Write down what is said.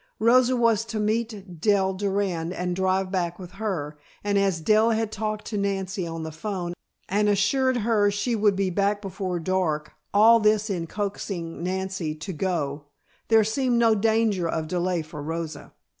Rosa was to meet Dell Durand and drive back with her, and as Dell had talked to Nancy on the phone and assured her she would be back before dark (all this in coaxing Nancy to go), there seemed no danger of delay for Rosa.